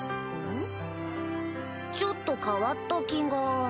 ちょっと変わった気が